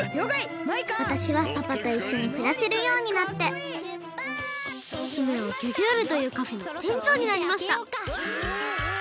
わたしはパパといっしょにくらせるようになって姫はギョギョールというカフェのてんちょうになりましたわ！